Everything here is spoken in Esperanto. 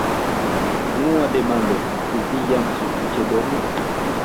Unua demando, ĉu vi jam sufiĉe dormis?